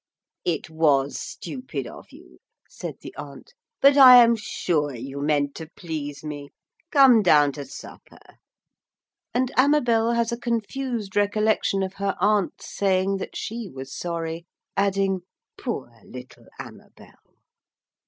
'It was stupid of you,' said the aunt, 'but I am sure you meant to please me. Come down to supper.' And Amabel has a confused recollection of her aunt's saying that she was sorry, adding, 'Poor little Amabel.'